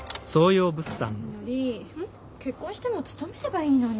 みのり結婚しても勤めればいいのに。